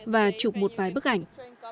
và chụp một vài bức ảnh